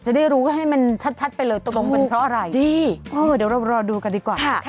จะได้รู้ให้มันชัดไปเลยตกลงเป็นเพราะอะไรเดี๋ยวเรารอดูกันดีกว่า